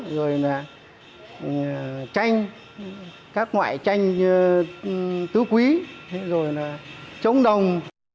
rồi là chanh các loại chanh tứ quý rồi là chống đồng